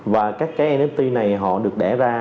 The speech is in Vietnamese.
và các cái nft này họ được đẻ ra